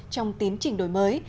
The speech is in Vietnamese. trong tiến trình đổi mới